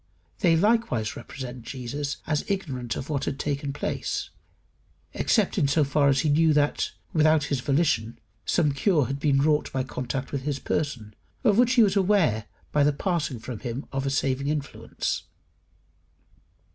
They likewise represent Jesus as ignorant of what had taken place, except in so far as he knew that, without his volition, some cure had been wrought by contact with his person, of which he was aware by the passing from him of a saving influence.